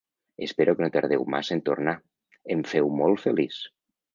Espero que no tardeu massa en tornar, em feu molt feliç.